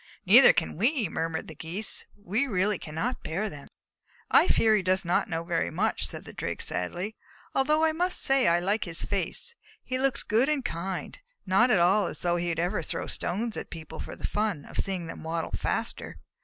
"Neither can we," murmured the Geese. "We really cannot bear them." "I fear he does not know very much," said the Drake, sadly, "although I must say that I like his face. He looks good and kind, not at all as though he would ever throw stones at people for the fun of seeing them waddle faster.